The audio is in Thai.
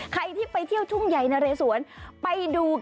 ใครที่ไปเที่ยวทุ่งใหญ่นะเรสวนไปดู